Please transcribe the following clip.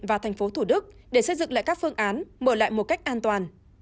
và thành phố thủ đức để xây dựng lại các phương án mở lại một cách an toàn